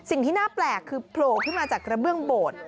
สิ่งที่น่าแปลกคือโผล่ขึ้นมาจากกระเบื้องโบสถ์